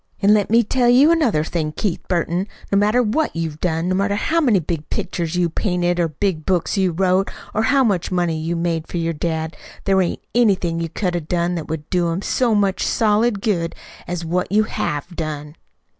An' let me tell you another thing, Keith Burton. No matter what you done no matter how many big pictures you painted, or big books you wrote, or how much money you made for your dad; there ain't anything you could've done that would do him so much solid good as what you have done."